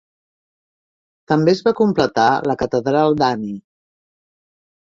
També es va completar la Catedral d'Ani.